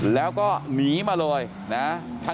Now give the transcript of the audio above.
แล้วก็หนีมาเลยนะ